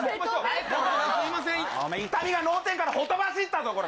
痛みが脳天からほとばしったぞ！